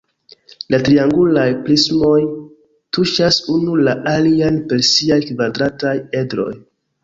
La triangulaj prismoj tuŝas unu la alian per siaj kvadrataj edroj.